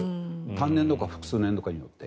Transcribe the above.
単年度か複数年度かによって。